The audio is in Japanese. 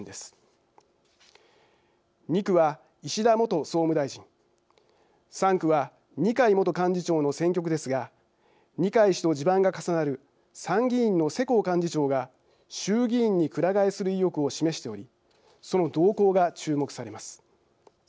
２区は石田元総務大臣３区は二階元幹事長の選挙区ですが二階氏と地盤が重なる参議院の世耕幹事長が衆議院にくら替えする意欲を示しておりその動向が注目されます。